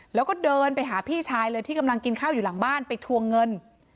แล้วก็เดินไปหาพี่ชายเลยที่กำลังกินข้าวอยู่หลังบ้านไปทวงเงิน